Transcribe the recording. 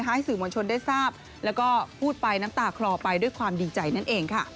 ให้สื่อมวลชนได้ทราบแล้วก็พูดไปน้ำตาคลอไปด้วยความดีใจนั่นเองค่ะ